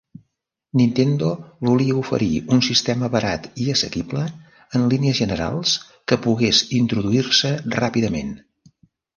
Nintendo volia oferir un sistema barat i assequible en línies generals que pogués introduir-se ràpidament.